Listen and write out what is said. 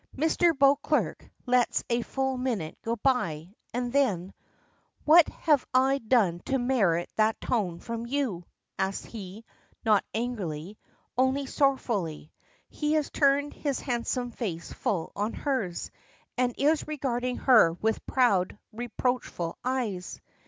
Mr. Beauclerk lets a full minute go by, and then "What have I done to merit that tone from you?" asks he, not angrily; only sorrowfully. He has turned his handsome face full on hers, and is regarding her with proud, reproachful eyes.